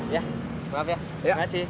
ya maaf ya terima kasih